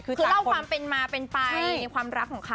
คือเล่าความเป็นมาเป็นไปในความรักของเขา